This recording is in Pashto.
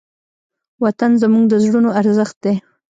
وطن زموږ د زړونو ارزښت دی.